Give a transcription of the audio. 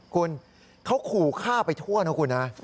คุณเขาขู่ฆ่าไปทั่วนะคุณนะ